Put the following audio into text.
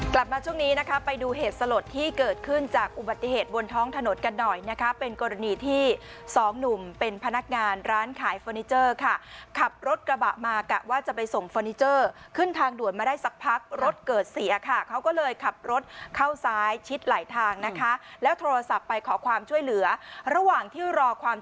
กลับมาช่วงนี้นะคะไปดูเหตุสลดที่เกิดขึ้นจากอุบัติเหตุบนท้องถนนกันหน่อยนะคะเป็นกรณีที่สองหนุ่มเป็นพนักงานร้านขายเฟอร์นิเจอร์ค่ะขับรถกระบะมากะว่าจะไปส่งเฟอร์นิเจอร์ขึ้นทางด่วนมาได้สักพักรถเกิดเสียค่ะเขาก็เลยขับรถเข้าซ้ายชิดหลายทางนะคะแล้วโทรศัพท์ไปขอความช่วยเหลือระหว่างที่รอความ